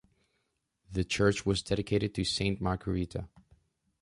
The church was dedicated to Saint Margareta.